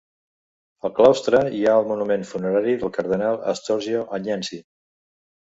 Al claustre hi ha el monument funerari del cardenal Astorgio Agnensi.